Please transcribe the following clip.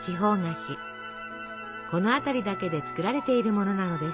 この辺りだけで作られているものなのです。